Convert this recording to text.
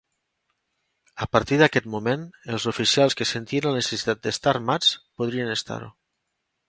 A partir d'aquest moment, els oficials que sentien la necessitat d'estar armats, podrien estar-ho.